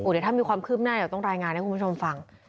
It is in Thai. เดี๋ยวถ้ามีความคืบหน้าเดี๋ยวต้องรายงานให้คุณผู้ชมฟัง